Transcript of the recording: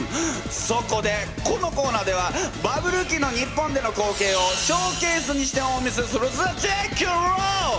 そこでこのコーナーではバブル期の日本での光景をショーケースにしてお見せするぜチェケラ！